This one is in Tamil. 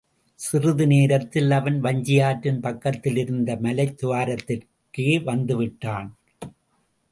சிறிது நேரத்தில் அவன் வஞ்சியாற்றின் பக்கத்திலிருந்த மலைத் துவாரத்திற்கே வந்துவிட்டான்.